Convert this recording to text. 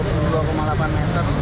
kali dua puluh dua delapan meter